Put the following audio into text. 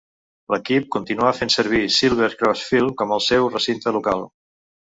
L'equip continuar fent servir Silver Cross Field com el seu recinte local.